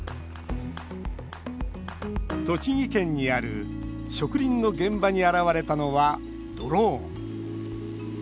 栃木県にある植林の現場に現れたのはドローン。